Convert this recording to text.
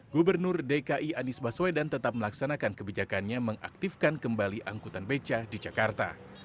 gubernur dki anies baswedan tetap melaksanakan kebijakannya mengaktifkan kembali angkutan beca di jakarta